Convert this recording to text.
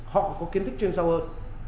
họ có kiến thức